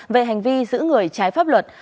về hành vi giữ người trái pháp luật